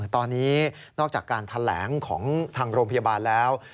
ตอนนี้นอกจากการแถลงของทางโรงพยาบาลแล้ว